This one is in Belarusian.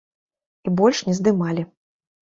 І больш не здымалі.